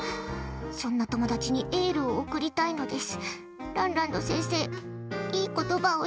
そんな友達にエールを送りたいのです。